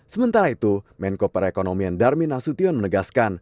sementara itu menko perekonomian darmin nasution menegaskan